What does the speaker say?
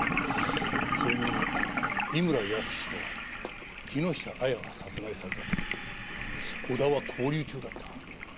それに井村泰と木下亜矢が殺害された時小田は勾留中だった。